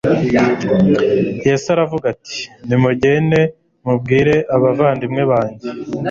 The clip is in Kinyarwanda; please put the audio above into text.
Yesu aravuga ati : "Nimugende mubwire abavandimwe banjye